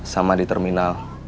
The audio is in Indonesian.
sama di terminal